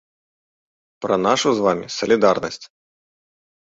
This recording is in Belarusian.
Пра нашу з вамі салідарнасць.